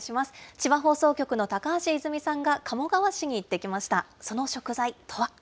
千葉放送局の高橋泉さんが鴨川市に行ってきました。